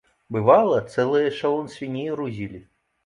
Бывала, цэлы эшалон свіней грузілі.